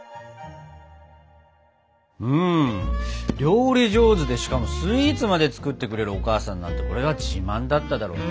うん料理上手でしかもスイーツまで作ってくれるお母さんなんてこれは自慢だっただろうね。